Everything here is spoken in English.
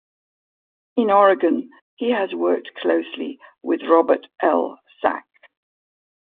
In Oregon he has worked closely with Robert L. Sack.